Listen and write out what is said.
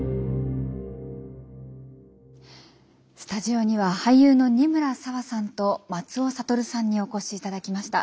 スタジオには俳優の仁村紗和さんと松尾諭さんにお越しいただきました。